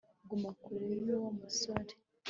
guma kure yuwo musore